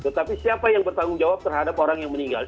tetapi siapa yang bertanggung jawab terhadap orang yang meninggal